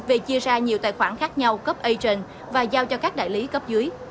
về chia ra nhiều tài khoản khác nhau cấp asion và giao cho các đại lý cấp dưới